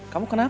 kamu kenapa nak